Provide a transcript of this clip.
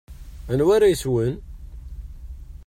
Anwa ara yeswen?